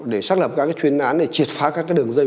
để xác lập các chuyên án để triệt phá các đường dây